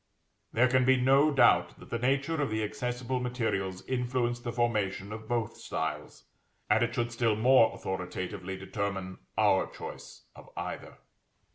There can be no doubt that the nature of the accessible materials influenced the formation of both styles; and it should still more authoritatively determine our choice of either.